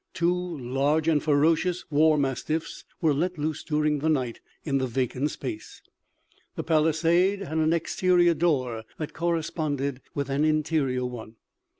Two large and ferocious war mastiffs were let loose during the night in the vacant space. The palisade had an exterior door that corresponded with an interior one.